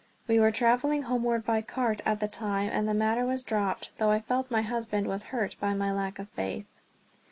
We were traveling homeward by cart at the time and the matter was dropped; though I felt my husband was hurt by my lack of faith.